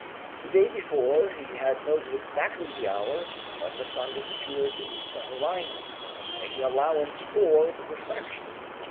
The day before he had noted exactly the hour when the sun disappeared beneath the horizon, making allowance for the refraction.